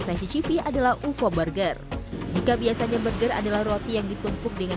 saya cicipi adalah ufo burger jika biasanya burger adalah roti yang ditumpuk dengan